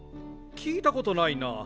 聞いたことないな。